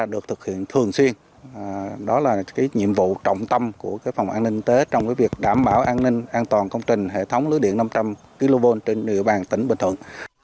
đó là nhiệm vụ trọng tâm của phòng an ninh tế trong việc đảm bảo an ninh an toàn công trình hệ thống lưới điện năm trăm linh kv trên địa bàn tỉnh bình thuận